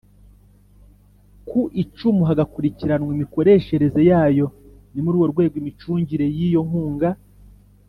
Ku icumu hagakurikiranwa imikoresherereze yayo ni muri urwo rwego imicungire y iyo nkunga